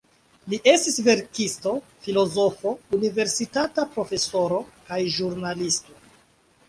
Li estis verkisto, filozofo, universitata profesoro kaj ĵurnalisto.